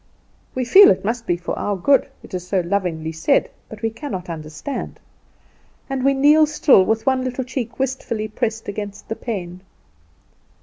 We feel it must be for our good, it is so lovingly said: but we cannot understand; and we kneel still with one little cheek wistfully pressed against the pane.